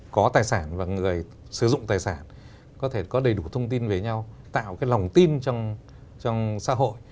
có tài sản và người sử dụng tài sản có thể có đầy đủ thông tin về nhau tạo cái lòng tin trong xã hội